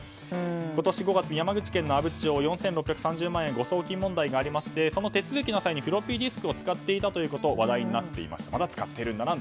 今年５月、山口県の阿武町４６３０万円誤送金問題がありましてその手続きの際にフロッピーディスクを使っていたということが話題になっていました。